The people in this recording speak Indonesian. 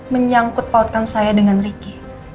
menyangkut pautkan saya dengan ricky